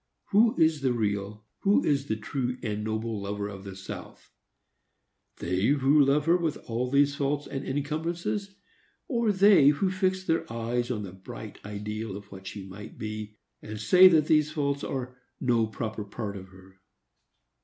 Who is the real, who is the true and noble lover of the South?—they who love her with all these faults and incumbrances, or they who fix their eyes on the bright ideal of what she might be, and say that these faults are no proper part of her?